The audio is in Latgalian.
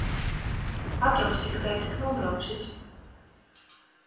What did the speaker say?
Atrokstit, kai tik nūbrauksit!